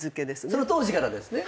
その当時からですね？